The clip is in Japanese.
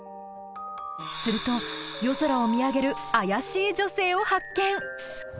すると夜空を見上げる怪しい女性を発見。